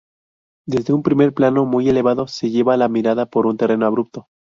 Desde un primer plano muy elevado se lleva la mirada por un terreno abrupto.